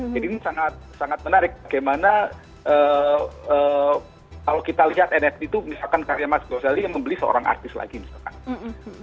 jadi ini sangat menarik bagaimana kalau kita lihat nft itu misalkan karya mas gozali yang membeli seorang artis lagi misalkan